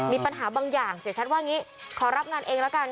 มีปัญหาบางอย่างเสียชัดว่างี้ขอรับงานเองแล้วกัน